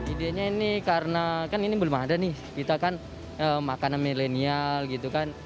idenya ini karena kan ini belum ada nih kita kan makanan milenial gitu kan